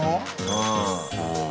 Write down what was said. うん。